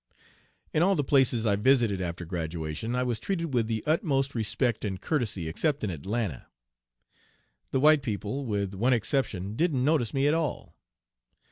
"* *In all the places I visited after graduation I was treated with the utmost respect and courtesy except in Atlanta. The white people, with one exception, didn't notice me at all.